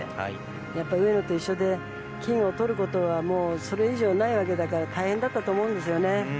やっぱり、上野と一緒で金をとるってことは、もうそれ以上ないわけだから大変だったと思うんです。